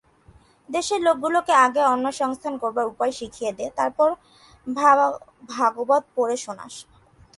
দেশের লোকগুলোকে আগে অন্নসংস্থান করবার উপায় শিখিয়ে দে, তারপর ভাগবত পড়ে শোনাস।